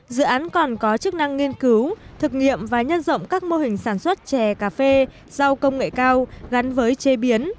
dự án còn có chức năng nghiên cứu thực nghiệm và nhân rộng các mô hình sản xuất chè cà phê rau công nghệ cao gắn với chế biến